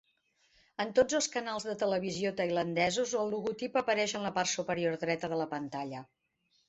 En tots els canals de televisió tailandesos el logotip apareix en la part superior dreta de la pantalla.